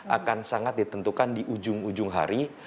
akan sangat ditentukan di ujung ujung hari